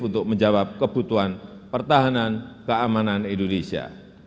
untuk menjawab kebutuhan pertahanan keamanan indonesia